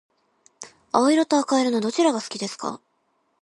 青色と赤色のどちらが好きですか？